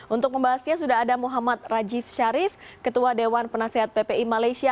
untuk membahasnya sudah ada muhammad rajif sharif ketua dewan penasehat ppi malaysia